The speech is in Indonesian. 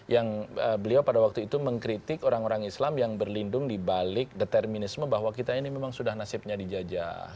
yang beliau pada waktu itu mengkritik orang orang islam yang berlindung dibalik determinisme bahwa kita ini memang sudah nasibnya dijajah